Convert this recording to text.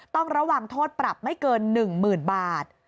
ต้องระวังโทษปรับไม่เกิน๑๐๐๐บาท